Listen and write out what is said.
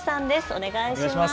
お願いします。